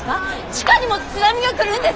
地下にも津波が来るんですか！？